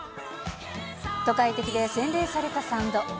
都会的で洗練されたサウンド。